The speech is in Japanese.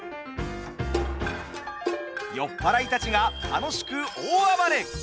酔っ払いたちが楽しく大暴れ。